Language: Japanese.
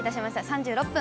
３６分。